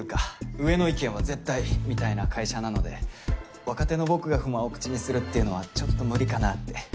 上の意見は絶対みたいな会社なので若手の僕が不満を口にするっていうのはちょっと無理かなって。